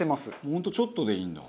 本当ちょっとでいいんだ。